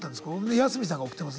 安見さんが送ってます。